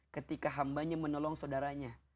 ketika hambanya menolong sodaranya